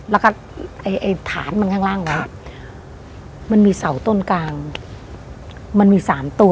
แล้วก็ไอ้ฐานมันข้างล่างไว้มันมีเสาต้นกลางมันมีสามตัว